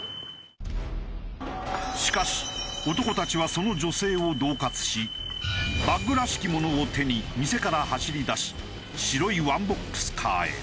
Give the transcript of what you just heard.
しかし男たちはその女性を恫喝しバッグらしきものを手に店から走りだし白いワンボックスカーへ。